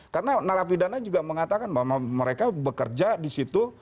karena narapidana juga mengatakan bahwa mereka bekerja disitu